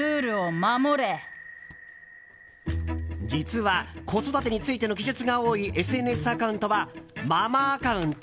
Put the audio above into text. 実は、子育てについての記述が多いＳＮＳアカウントはママアカウント